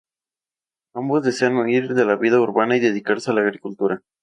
Ambos desean huir de la vida urbana y dedicarse a la agricultura.